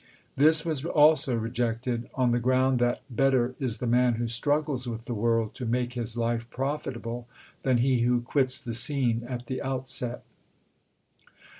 This was also rejected on the ground that better is the man who struggles with the world to make his life profitable than he who quits the scene at the outset.